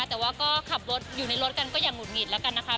แต่ว่าก็ขับรถอยู่ในรถกันก็อย่างหุดหงิดแล้วกันนะคะ